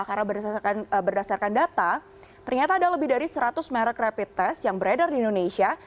karena berdasarkan data ternyata ada lebih dari seratus merek rapid test yang beredar di indonesia